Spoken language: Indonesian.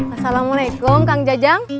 assalamualaikum kang jajang